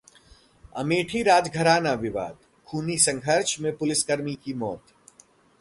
अमेठी राजघराना विवाद: खूनी संघर्ष में पुलिसकर्मी की मौत